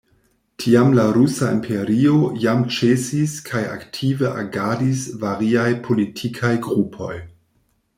Tiam la Rusa Imperio jam ĉesis kaj aktive agadis variaj politikaj grupoj.